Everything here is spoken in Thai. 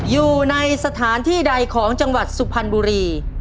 อยู่ในสถานที่ใดของจังหวัดสุพรรณบุรี